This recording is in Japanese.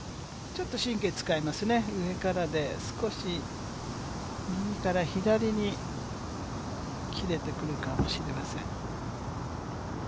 ちょっと神経使いますね上からで少し右から左に切れてくるかもしれません。